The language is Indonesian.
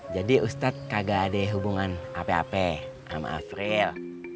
jadi ustadz kagak ada hubungan apa apa sama afril